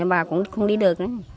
bà cũng không đi được